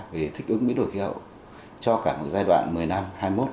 về thích ứng biến đổi khí hậu cho cả một giai đoạn một mươi năm hai nghìn hai mươi một hai nghìn ba mươi